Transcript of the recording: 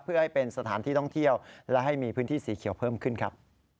เพื่อให้เป็นสถานที่ท่องเที่ยวและให้มีพื้นที่สีเขียวเพิ่มขึ้นครับ